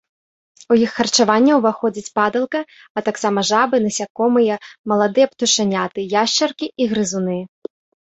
У іх харчаванне ўваходзіць падалка, а таксама жабы, насякомыя, маладыя птушаняты, яшчаркі і грызуны.